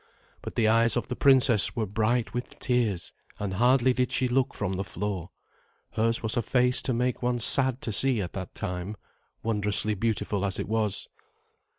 But the eyes of the princess were bright with tears, and hardly did she look from the floor. Hers was a face to make one sad to see at that time, wondrously beautiful as it was.